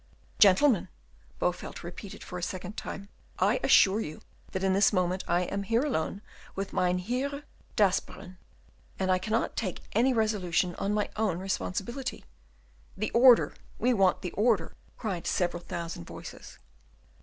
"Gentlemen," Bowelt repeated for the second time, "I assure you that in this moment I am here alone with Mynheer d'Asperen, and I cannot take any resolution on my own responsibility." "The order! we want the order!" cried several thousand voices.